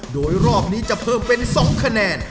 โดยรอบนี้จะเพิ่มเป็น๒คะแนน